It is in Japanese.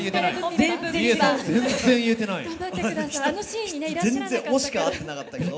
全然「オ」しか合ってなかったけど。